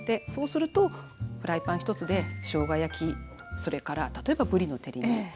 そうするとフライパン１つでしょうが焼きそれから例えばぶりの照り煮。